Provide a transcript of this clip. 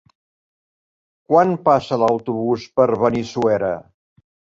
Quan passa l'autobús per Benissuera?